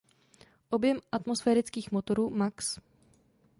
Objem atmosférických motorů max.